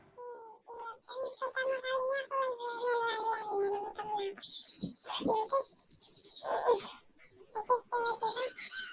saya sudah teman dengan teman teman saya